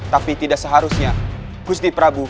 tapi tidak seharusnya gusti prabu